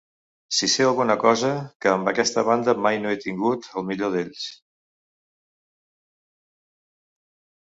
Si sé alguna cosa, que amb aquesta banda mai ho he tingut, el millor d'ells.